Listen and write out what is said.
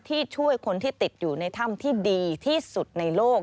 ช่วยคนที่ติดอยู่ในถ้ำที่ดีที่สุดในโลก